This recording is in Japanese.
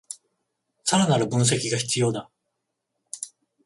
さらなる分析が必要だ